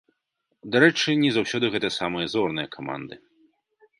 Дарэчы, не заўсёды гэта самыя зорныя каманды.